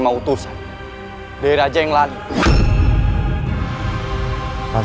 prabukyaan santang dari kerajaan paja jara